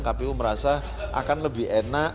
kpu merasa akan lebih enak